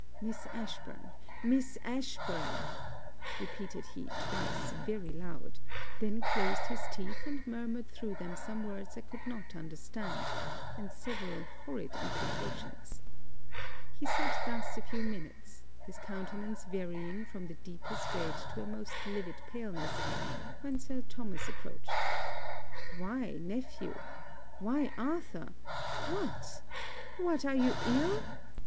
'Miss Ashburn! Miss Ashburn!' repeated he twice very loud; then closed his teeth and murmured through them some words I could not understand, and several horrid imprecations. He sat thus a few minutes, his countenance varying from the deepest red to a most livid paleness, when Sir Thomas approached. 'Why, nephew! why Arthur! what, what, are you ill?